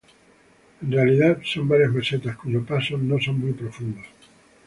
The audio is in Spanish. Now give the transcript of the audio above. En realidad son varias mesetas, cuyos pasos no son muy profundos.